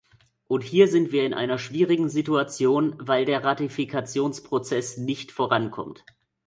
Und hier sind wir in einer schwierigen Situation, weil der Ratifikationsprozess nicht vorankommt.